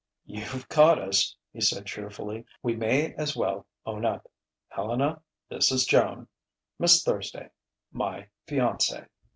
"You've caught us," he said cheerfully. "We may as well own up. Helena, this is Joan Miss Thursday my fiancée.